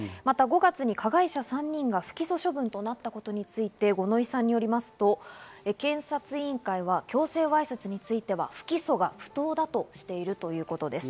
５月に加害者３人が不起訴処分となったことについて五ノ井さんによりますと、検察委員会は強制わいせつについては不起訴が不当だとしているということです。